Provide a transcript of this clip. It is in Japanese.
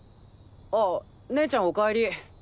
あ姉ちゃんお帰り。